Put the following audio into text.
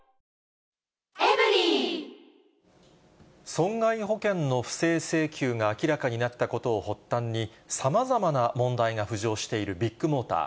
損害保険の不正請求が明らかになったことを発端に、さまざまな問題が浮上しているビッグモーター。